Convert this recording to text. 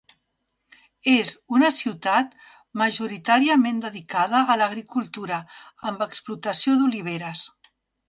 És una ciutat majoritàriament dedicada a l'agricultura amb explotació d'oliveres.